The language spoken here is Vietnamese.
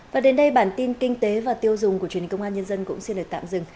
và đến đây bản tin kinh tế và tiêu dùng của truyền hình công an nhân dân cũng xin được tạm dừng